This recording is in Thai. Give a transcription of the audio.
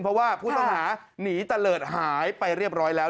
เพราะว่าผู้ต้องหาหนีตะเลิศหายไปเรียบร้อยแล้ว